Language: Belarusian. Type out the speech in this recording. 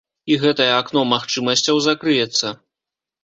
І гэтае акно магчымасцяў закрыецца.